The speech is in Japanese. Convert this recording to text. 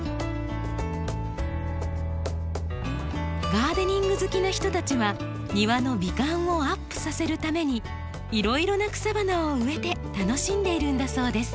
ガーデニング好きな人たちは庭の美観をアップさせるためにいろいろな草花を植えて楽しんでいるんだそうです。